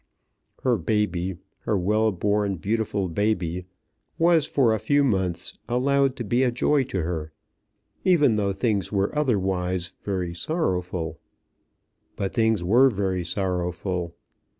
Her baby, her well born beautiful baby, was for a few months allowed to be a joy to her, even though things were otherwise very sorrowful. But things were very sorrowful.